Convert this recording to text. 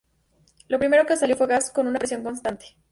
Lo primero que salió fue gas con una presión constante.